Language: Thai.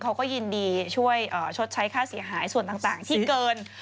เขาก็ยินดีช่วยชดใช้ค่าเสียหายส่วนต่างที่เกิน